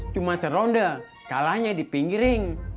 cuma seronde kalahnya di pinggiring